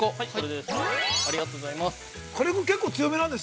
ありがとうございます。